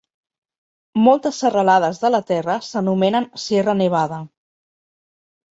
Moltes serralades de la Terra s'anomenen Sierra Nevada.